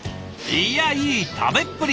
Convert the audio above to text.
いい食べっぷり。